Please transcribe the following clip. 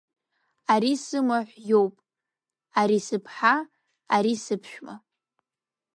Ари сымаҳә иоуп, ари сыԥҳа, ари сыԥшәма!